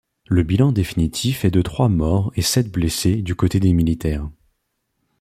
Le bilan définitif est de trois morts et sept blessés du côté des militaires.